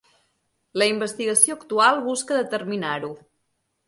La investigació actual busca determinar-ho.